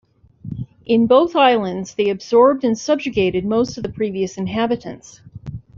In both islands they absorbed and subjugated most of the previous inhabitants.